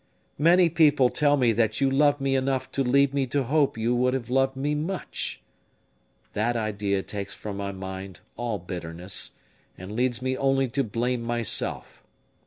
Many people tell me that you loved me enough to lead me to hope you would have loved me much. That idea takes from my mind all bitterness, and leads me only to blame myself.